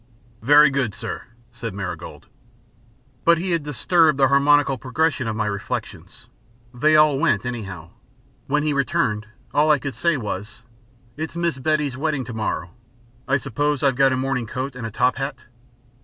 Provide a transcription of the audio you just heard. "Very good, sir," said Marigold. But he had disturbed the harmonical progression of my reflections. They all went anyhow. When he returned, all I could say was: "It's Miss Betty's wedding to morrow. I suppose I've got a morning coat and a top hat."